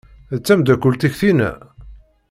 D tameddakelt-ik tinna?